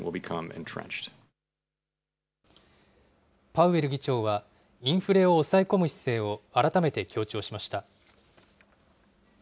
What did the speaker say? パウエル議長は、インフレを抑え込む姿勢を改めて強調しました。